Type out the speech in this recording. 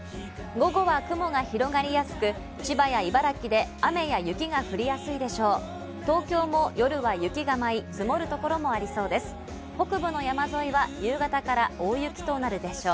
午後は雲が広がりやすく、千葉や茨城で雨や雪が降りやすいでしょう。